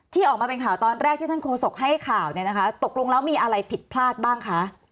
ที่ออกมาเป็นข่าวตอนแรกที่ท่านโฆษกให้ข่าวเนี่ยนะคะตกลงแล้วมีอะไรผิดพลาดบ้างคะ